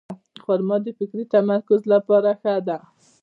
خرما د فکري تمرکز لپاره ښه ده.